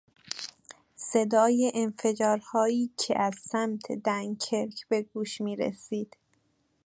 صدای انفجارهایی که از سمت دنکرک به گوش میرسید